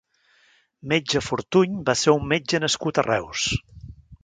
Metge Fortuny va ser un metge nascut a Reus.